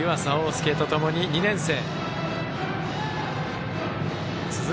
翼とともに２年生。